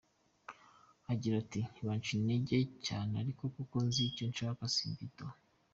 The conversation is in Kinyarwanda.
Agira ati “Banca intege cyane, ariko kuko nzi icyo nshaka simbitaho.